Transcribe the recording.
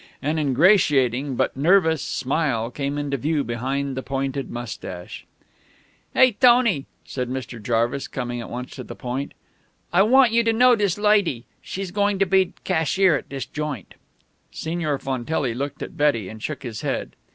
An ingratiating, but nervous, smile came into view behind the pointed mustache. "Hey, Tony," said Mr. Jarvis, coming at once to the point, "I want you to know dis loidy. She's going to be cashier at dis joint." Signor Fontelli looked at Betty and shook his head.